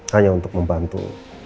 hanya untuk membantu